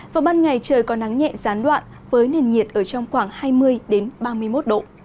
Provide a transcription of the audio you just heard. vào ban ngày trời có nắng nhẹ gián đoạn với nền nhiệt ở trong khoảng hai mươi ba mươi một độ